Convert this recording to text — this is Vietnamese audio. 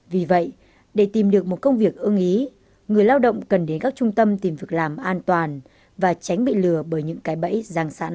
vì vậy để tìm được một công việc ưng ý người lao động cần đến các trung tâm tìm việc làm an toàn và tránh bị lừa bởi những cái bẫy giang sán